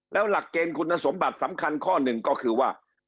แล้วหลักเกณฑ์คุณสมบัติสำคัญข้อหนึ่งก็คือว่า